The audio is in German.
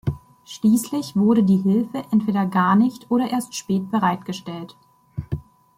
Schließlich wurde die Hilfe entweder gar nicht oder erst spät bereitgestellt.